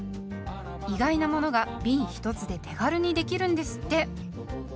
意外なものがびん１つで手軽にできるんですって。